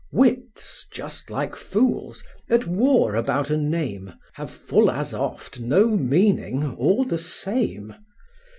Wits, just like fools, at war about a name, Have full as oft no meaning, or the same.